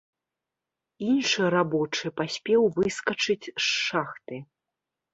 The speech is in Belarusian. Іншы рабочы паспеў выскачыць з шахты.